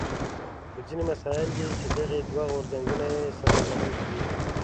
خو ځینې مسایل دي چې دغه دوه غورځنګونه یې سره لرې کړي.